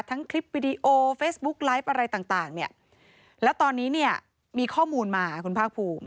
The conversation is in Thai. คลิปวิดีโอเฟซบุ๊กไลฟ์อะไรต่างเนี่ยแล้วตอนนี้เนี่ยมีข้อมูลมาคุณภาคภูมิ